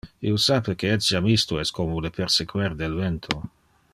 Io sape que etiam isto es como le persequer del vento.